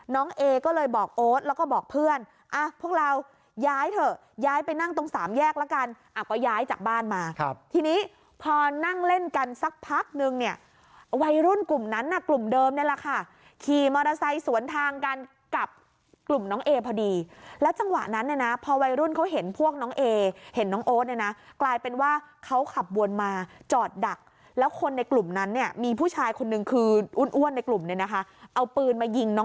น้องเอก็เลยบอกโอ๊ตแล้วก็บอกเพื่อนอ่ะพวกเราย้ายเถอะย้ายไปนั่งตรงสามแยกแล้วกันอ่ะก็ย้ายจากบ้านมาครับทีนี้พอนั่งเล่นกันสักพักนึงเนี่ยวัยรุ่นกลุ่มนั้นอ่ะกลุ่มเดิมนี่แหละค่ะขี่มอเตอร์ไซส์สวนทางกันกับกลุ่มน้องเอพอดีแล้วจังหวะนั้นเนี่ยนะพอวัยรุ่นเขาเห็นพวกน้องเอเห็นน้องโอ๊ตเนี่ย